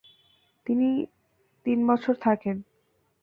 তিনি তিন বছর থাকেন।